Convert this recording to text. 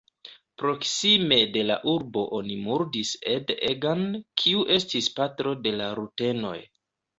Proksime de la urbo oni murdis Ede Egan, kiu estis patro de la rutenoj.